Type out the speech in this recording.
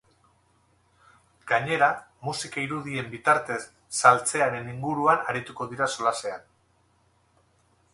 Gainera, musika irudien bitartez saltzearen inguruan arituko dira solasean.